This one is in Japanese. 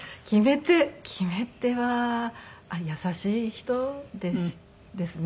決め手は優しい人ですね。